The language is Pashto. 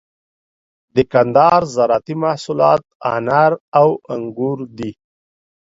د کندهار زراعتي محصولات انار او انگور دي.